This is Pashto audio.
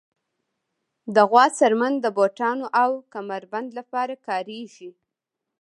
د غوا څرمن د بوټانو او کمر بند لپاره کارېږي.